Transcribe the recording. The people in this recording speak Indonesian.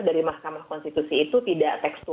dari mahkamah konstitusi itu tidak tekstur